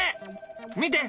見て！